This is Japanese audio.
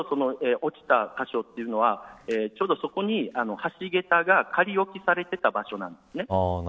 今ちょうど、落ちた箇所というのは、そこに橋げたが仮置きされていた場所なんですね。